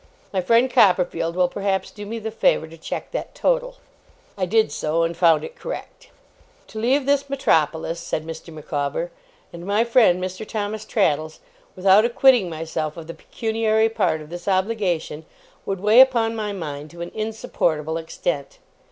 My friend Copperfield will perhaps do me the favour to check that total?' I did so and found it correct. 'To leave this metropolis,' said Mr. Micawber, 'and my friend Mr. Thomas Traddles, without acquitting myself of the pecuniary part of this obligation, would weigh upon my mind to an insupportable extent.